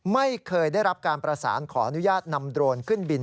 ไม่เคยได้รับการประสานขออนุญาตนำโดรนขึ้นบิน